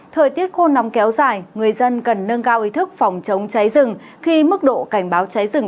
thời tiết khô nóng kéo dài người dân cần nâng cao ý thức phòng chống cháy rừng khi mức độ cảnh báo cháy rừng